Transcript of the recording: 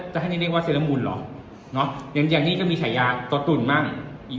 จะให้เล่นเรียกว่าเหรอเนาะอย่างนี้ก็มีแต่ยาตัวตุ๋นมั่งอี